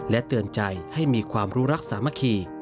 เตือนใจให้มีความรู้รักสามัคคี